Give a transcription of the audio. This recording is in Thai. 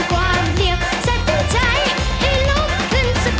ต้องสะปัดสะปัดให้มันวนวนไปสัด